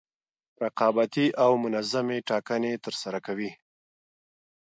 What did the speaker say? رقابتي او منظمې ټاکنې ترسره کوي.